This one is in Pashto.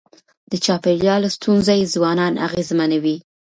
د چاپېریال ستونزي ځوانان اغېزمنوي.